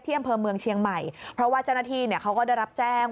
อำเภอเมืองเชียงใหม่เพราะว่าเจ้าหน้าที่เนี่ยเขาก็ได้รับแจ้ง